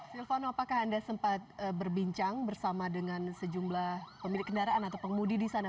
silvano apakah anda sempat berbincang bersama dengan sejumlah pemilik kendaraan atau pengemudi di sana